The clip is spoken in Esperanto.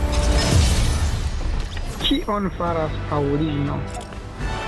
Kion faras Paŭlino?